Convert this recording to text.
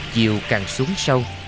chiều càng xuống sâu